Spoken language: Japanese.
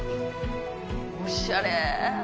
おしゃれ！